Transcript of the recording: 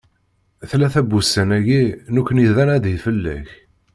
Tlata wussan-ayagi, nekni d anadi fell-ak.